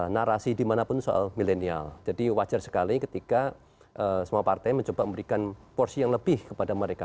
narasi dimanapun soal milenial jadi wajar sekali ketika semua partai mencoba memberikan porsi yang lebih kepada mereka